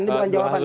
ini bukan jawaban